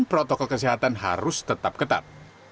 protokol kesehatan harus tetap ketat